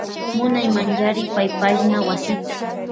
Munaymanchari paypashna wasita.